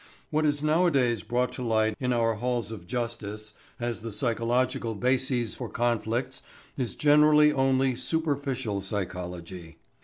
What is nowadays brought to light in our halls of justice as the psychological bases for conflicts is generally only superficial psychology.